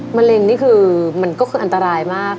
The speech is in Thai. มะเร็งนี่คือมันก็คืออันตรายมาก